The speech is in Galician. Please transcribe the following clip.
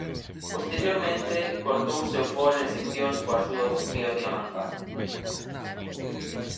Posteriormente, cortouse o fol en seccións coa axuda dun fío diamantado.